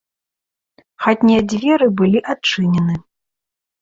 Хатнія дзверы былі адчынены.